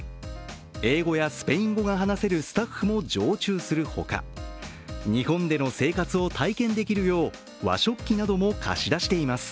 英語やスペイン語が話せるスタッフも常駐するほか日本での生活を体験できるよう和食器なども貸し出しています。